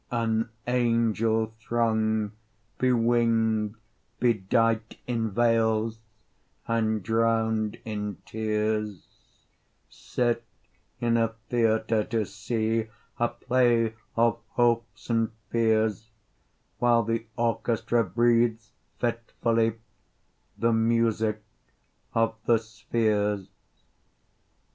An angel throng, bewinged, bedight In veils, and drowned in tears, Sit in a theatre, to see A play of hopes and fears, While the orchestra breathes fitfully The music of the spheres.